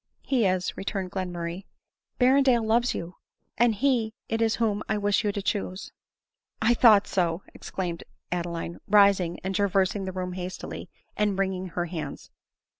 " He is," returned Glenmurray. " Berrendale loves you ; and he it is whom I wish you to choose." 16* 182 ADELINE MOWBRAY. " I thought so," exclaimed Adeline, rising and travers ing the room hastily, and wringing her hands.